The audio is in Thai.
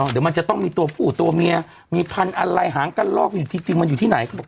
เดี๋ยวมันจะต้องมีตัวผู้ตัวเมียมีพันธุ์อะไรหางกันลอกอยู่จริงมันอยู่ที่ไหนเขาบอก